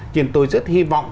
thì tôi rất hy vọng